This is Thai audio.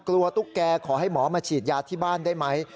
ตุ๊กแกขอให้หมอมาฉีดยาที่บ้านได้ไหม